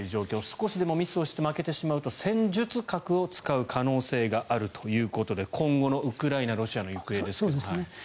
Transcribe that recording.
少しでもミスをして負けてしまうと戦術核を使う可能性があるということで今後のウクライナ、ロシアの行方ですが。